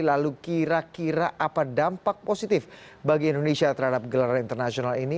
lalu kira kira apa dampak positif bagi indonesia terhadap gelaran internasional ini